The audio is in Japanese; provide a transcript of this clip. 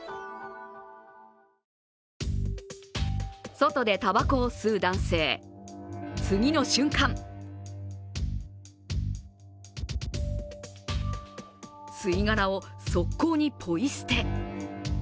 外でたばこを吸う男性、次の瞬間吸い殻を側溝にポイ捨て。